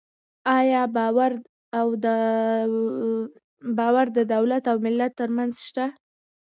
آیا باور د دولت او ملت ترمنځ شته؟